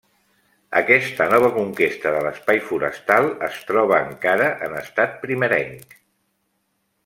Aquesta nova conquesta de l'espai forestal es troba encara en estat primerenc.